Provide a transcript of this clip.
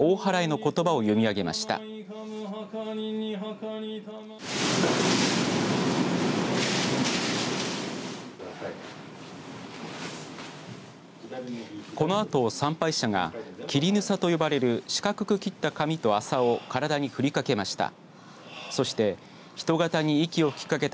このあと参拝者が切麻と呼ばれる四角く切った紙と麻を体にふりかけました。